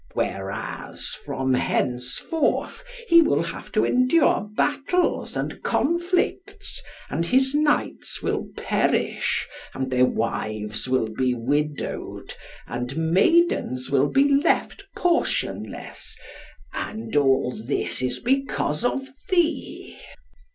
Whereas, from henceforth, he will have to endure battles and conflicts, and his knights will perish, and wives will be widowed, and maidens will be left portionless, and all this is because of thee."